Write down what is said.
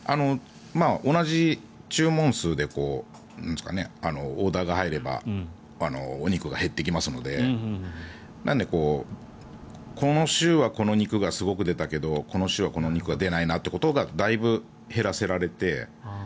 同じ注文数でオーダーが入ればお肉が減っていきますのでなのでこの週はこの肉がすごい出たけどこの週はこの肉が出ないなということをだいぶ減らせられて。